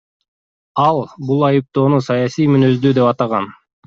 Ал бул айыптоону саясий мүнөздүү деп атаган.